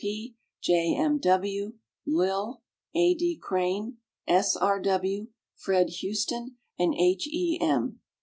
W. P., J. M. W., Lil, A. D. Crane, S. R. W., Fred Houston, and H. E. M.